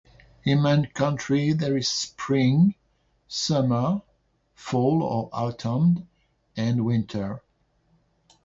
In my country, there is spring, summer, fall or autumn, and winter.